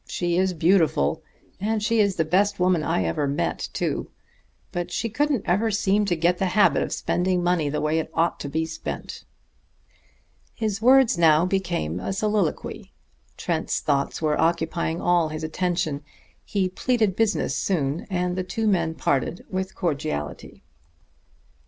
She is beautiful, and she is the best woman I ever met, too. But she couldn't ever seem to get the habit of spending money the way it ought to be spent." His words now became a soliloquy: Trent's thoughts were occupying all his attention. He pleaded business soon, and the two men parted with cordiality.